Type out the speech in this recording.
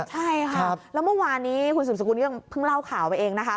ใช่ค่ะแล้วเมื่อวานนี้คุณสุดสกุลเพิ่งเล่าข่าวไว้เอง